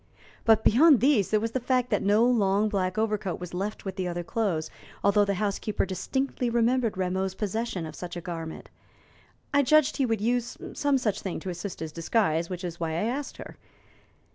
But beyond these there was the fact that no long black overcoat was left with the other clothes, although the housekeeper distinctly remembered Rameau's possession of such a garment. I judged he would use some such thing to assist his disguise, which was why I asked her.